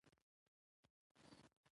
خو اسیر سي په پنجو کي د بازانو